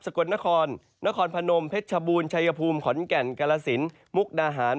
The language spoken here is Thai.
กลนครนครพนมเพชรชบูรณชายภูมิขอนแก่นกาลสินมุกดาหาร